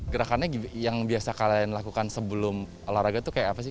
gerakannya yang biasa kalian lakukan sebelum olahraga itu kayak apa sih